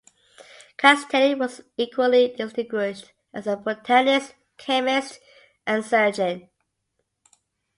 Castelli was equally distinguished as a botanist, chemist, and surgeon.